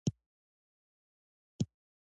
ژبه ژوندی ساتل د قام ژوندی ساتل دي.